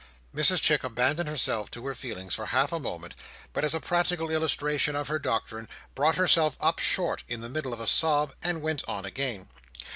Mrs Chick abandoned herself to her feelings for half a moment; but, as a practical illustration of her doctrine, brought herself up short, in the middle of a sob, and went on again.